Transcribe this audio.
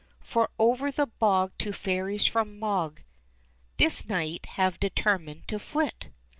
For over the bog two fairies from Mogg This night have determined to flit.